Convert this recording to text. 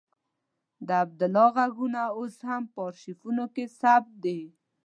د عبدالله غږونه اوس هم په آرشیفونو کې ثبت دي.